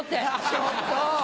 ちょっと！